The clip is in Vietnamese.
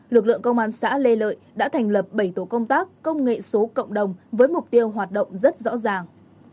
lực lượng công an xã lê lợi đã thành lập bảy tổ công tác công nghệ số cộng đồng với mục tiêu hoạt động rất rõ ràng